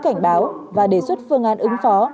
cảnh báo và đề xuất phương an ứng phó